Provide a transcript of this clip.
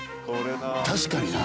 確かにな。